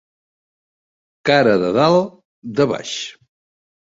Cara de dalt, de baix.